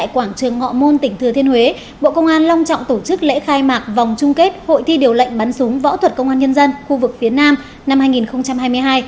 phát biểu tại lễ khai mạc hội thi điều lệnh bắn súng võ thuật công an nhân dân khu vực phía nam năm hai nghìn hai mươi hai